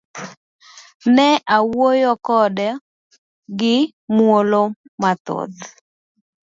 Ne awuoyo kode gi muolo mathoth.